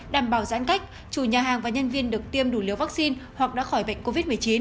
đảm bảo giãn cách chủ nhà hàng và nhân viên được tiêm đủ liều vaccine hoặc đã khỏi bệnh covid một mươi chín